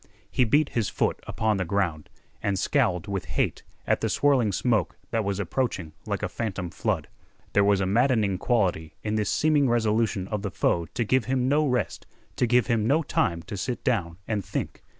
He beat his foot upon the ground, and scowled with hate at the swirling smoke that was approaching like a phantom flood. There was a maddening quality in this seeming resolution of the foe to give him no rest, to give him no time to sit down and think.